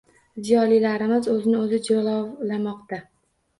Ziyolilarimiz o’zini o’zi jilovlamoqda